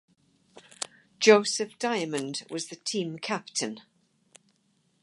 Joseph Diamond was the team captain.